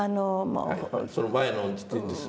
その前の時点ですね。